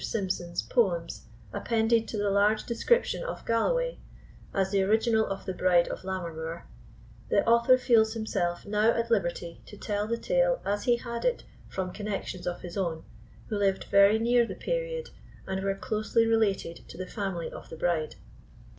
Symson's poems appended to the Large Description of Galloway, as the original of the Bride of Lammermoor, the author feels himself now at liberty to tell the tale as he had it from connexions of his own, who lived very near the period, and were closely related to the family of the bride.